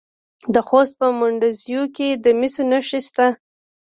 د خوست په مندوزیو کې د مسو نښې شته.